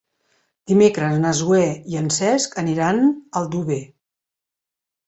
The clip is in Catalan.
Dimecres na Zoè i en Cesc aniran a Aldover.